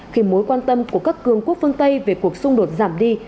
khi mối quan tâm của các cường quốc phương tây về cuộc xung đột giảm đi